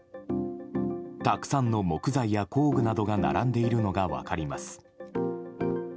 たくさんの木材や工具などが並んでいるのが分かります。